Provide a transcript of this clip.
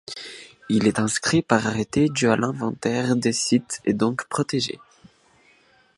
Il est inscrit par arrêté du à l’inventaire des sites et donc protégé.